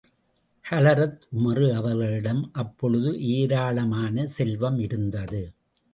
ஹலரத் உமறு அவர்களிடம் அப்பொழுது ஏராளமான செல்வம் இருந்தது.